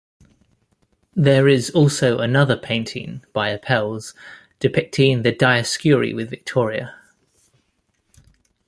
There is also another painting by Apelles, depicting the Dioscuri with Victoria.